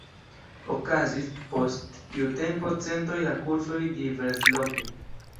Okazis post tiu tempo centoj da kursoj diversloke.